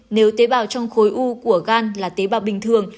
nếu tế bào trong khối u của gan là tế bào bình thường